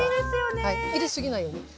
入れ過ぎないように。